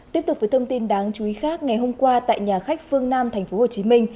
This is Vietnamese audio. tiếp tục với thông tin đáng chú ý khác ngày hôm qua tại nhà khách phương nam tp hcm